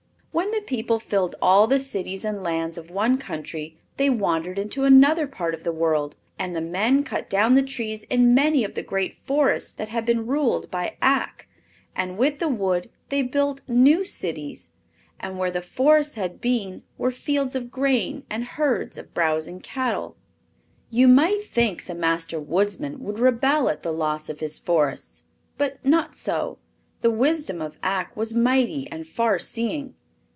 When the people filled all the cities and lands of one country they wandered into another part of the world; and the men cut down the trees in many of the great forests that had been ruled by Ak, and with the wood they built new cities, and where the forests had been were fields of grain and herds of browsing cattle. You might think the Master Woodsman would rebel at the loss of his forests; but not so. The wisdom of Ak was mighty and farseeing.